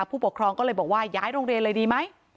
ผู้ปกครองก็เลยบอกว่าย้ายโรงเรียนเลยดีไหม